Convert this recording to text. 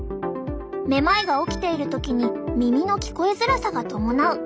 めまいが起きている時に耳の聞こえづらさが伴う。